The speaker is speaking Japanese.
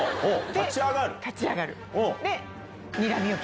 立ち上がる。